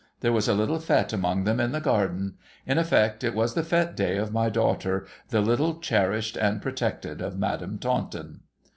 There was a little fete among them in the garden. Li effect, it was the fete day of my daughter, the little cherished and protected of Madame Taunton.